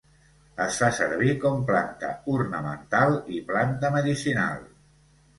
Es fa servir com planta ornamental i planta medicinal.